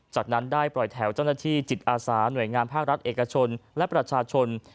จากนั้นได้ปล่อยแถวเจ้าหน้าที่จิตอาสาหน่วยงานภาครัฐเอกชนและประชาชน